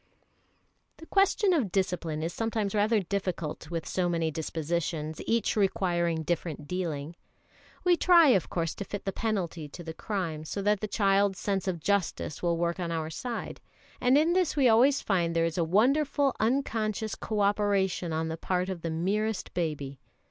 The question of discipline is sometimes rather difficult with so many dispositions, each requiring different dealing. We try, of course, to fit the penalty to the crime, so that the child's sense of justice will work on our side; and in this we always find there is a wonderful unconscious co operation on the part of the merest baby.